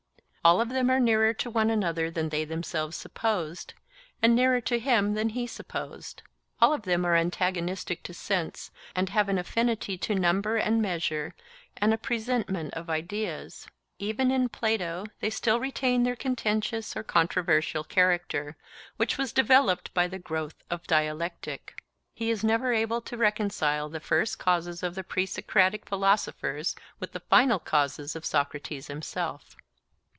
All of them are nearer to one another than they themselves supposed, and nearer to him than he supposed. All of them are antagonistic to sense and have an affinity to number and measure and a presentiment of ideas. Even in Plato they still retain their contentious or controversial character, which was developed by the growth of dialectic. He is never able to reconcile the first causes of the pre Socratic philosophers with the final causes of Socrates himself.